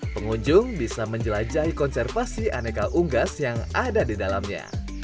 pengunjung bisa menjelajahi konservasi aneka unggas yang ada di dalamnya